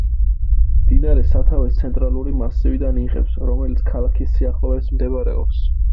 მდინარე სათავეს ცენტრალური მასივიდან იღებს, რომელიც ქალაქის სიახლოვეს მდებარეობს.